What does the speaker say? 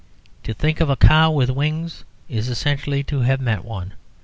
To think of a cow with wings is essentially to have met one.